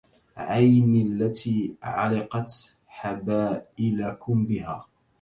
عينى التي علقت حبائلكم بها